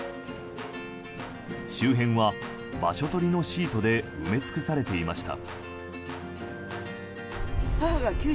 周辺は場所取りのシートで埋め尽くされていました。